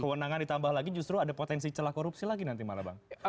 kewenangan ditambah lagi justru ada potensi celah korupsi lagi nanti malah bang